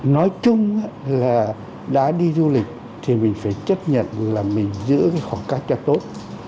nói chung là đã đi du lịch thì mình phải chấp nhận là mình giữ cái khoảng cách cho tốt